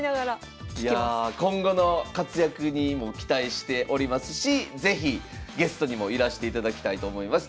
今後の活躍にも期待しておりますし是非ゲストにもいらしていただきたいと思います。